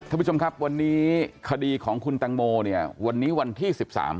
ท่านผู้ชมครับวันนี้คดีของคุณตางโมวันนี้วันที่๑๓